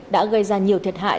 đã gây ra nhiều thiệt hại